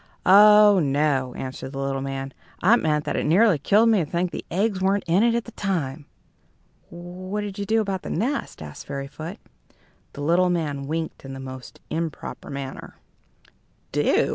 "Oh, no," answered the little man. "I meant that it nearly killed me to think the eggs weren't in it at the time." "What did you do about the nest?" asked Fairyfoot. The little man winked in the most improper manner. "Do?" he said.